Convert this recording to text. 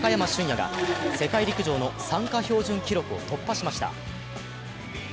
野が世界陸上の参加標準記録を突破しました。